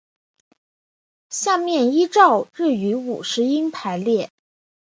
下面依照日语五十音排列。